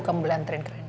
kembelan terin keren